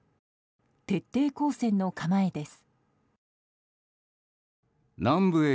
徹底抗戦の構えです。